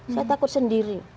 saya takut sendiri